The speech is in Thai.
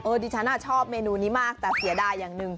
ดิฉันชอบเมนูนี้มากแต่เสียดายอย่างหนึ่ง